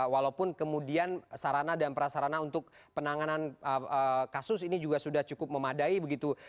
walaupun kemudian sarana dan prasarana untuk penanganan kasus ini juga sudah cukup memadai begitu